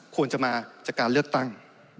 ควรจะมาจากการเลือกตั้ง